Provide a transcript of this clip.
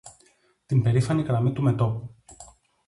Την περήφανη γραμμή του μετώπου.